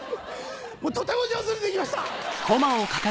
とても上手にできました！